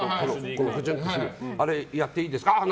あれをやっていいですかと。